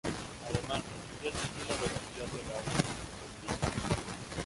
Además recibió el título de Oficial de la Orden del Imperio Británico.